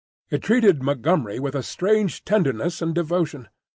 It treated Montgomery with a strange tenderness and devotion.